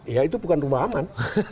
ya itu bukan rumah aman